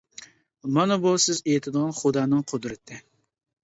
مانا بۇ سىز ئېيتىدىغان خۇدانىڭ قۇدرىتى.